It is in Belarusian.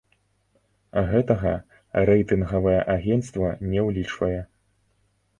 Гэтага рэйтынгавае агенцтва не ўлічвае.